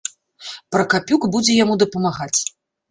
Пракапюк будзе яму дапамагаць.